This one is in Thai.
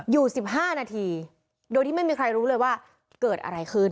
อยู่๑๕นาทีโดยที่ไม่มีใครรู้เลยว่าเกิดอะไรขึ้น